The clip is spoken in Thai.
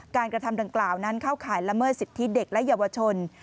กระทำดังกล่าวนั้นเข้าข่ายละเมิดสิทธิเด็กและเยาวชน